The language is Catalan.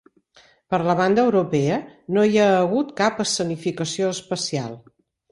Per la banda europea no hi ha hagut cap escenificació especial.